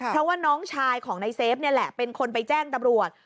เพราะว่าน้องชายของนายเซฟนี่แหละเป็นคนไปแจ้งตำรวจ